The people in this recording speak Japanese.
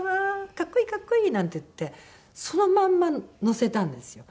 「格好いい格好いい！」なんて言ってそのまんま載せたんですよ。